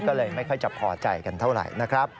ก็เลยไม่ค่อยจะพอใจกันเท่าไหร่นะครับ